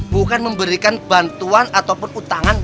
bukan memberikan bantuan ataupun utangan